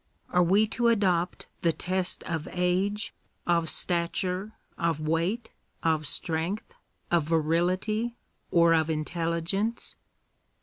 Are we to adopt the test of age, of stature, of weight, of strength, of virility, or of intelligence